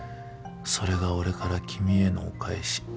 それが俺から君へのお返し。